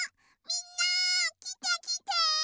みんなきてきて！